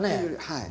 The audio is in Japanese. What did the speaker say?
はい。